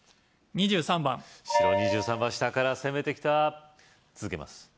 ２３番白２３番下から攻めてきた続けます